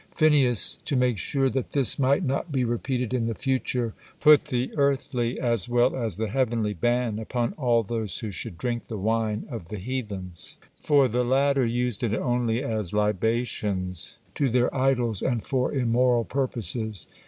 Phinehas, to make sure that this might not be repeated in the future, put the earthly as well as the heavenly ban upon all those who should drink the wine of the heathens, for the latter used it only as libations to their idols and for immoral purposes.